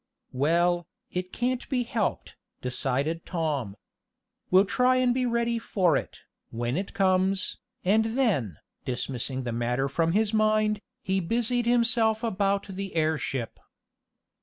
"Well, it can't be helped," decided Tom. "We'll try and be ready for it, when it comes," and then, dismissing the matter from his mind, he busied himself about the airship.